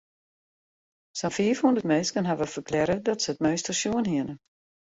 Sa'n fiifhûndert minsken hawwe ferklearre dat se it meunster sjoen hiene.